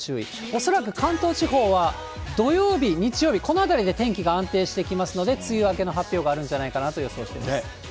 恐らく関東地方は、土曜日、日曜日、このあたりで天気が安定してきますので、梅雨明けの発表があるんじゃないかと予想しています。